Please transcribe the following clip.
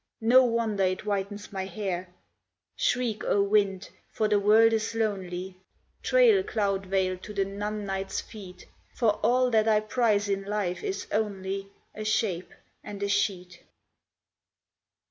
no wonder it whitens my hair Shriek, O wind! for the world is lonely; Trail cloud veil to the nun Night's feet! For all that I prize in life is only A shape and a sheet.